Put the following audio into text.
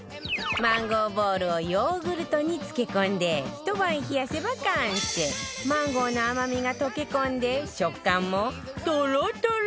マンゴーボールをヨーグルトに漬け込んでひと晩冷やせば完成マンゴーの甘みが溶け込んで食感もトロトロ！